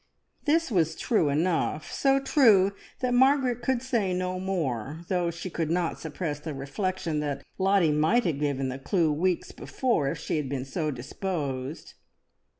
This was true enough, so true that Margaret could say no more, though she could not suppress the reflection that Lottie might have given the clue weeks before, if she had been so disposed.